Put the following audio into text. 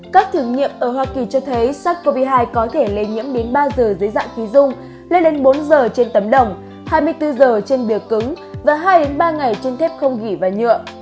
các thử nghiệm ở hoa kỳ cho thấy sars cov hai có thể lây nhiễm đến ba giờ dưới dạng khí dung lên đến bốn giờ trên tấm đồng hai mươi bốn giờ trên bìa cứng và hai ba ngày trên thép không ghi và nhựa